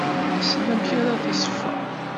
Yessen amek ara iṣeffer.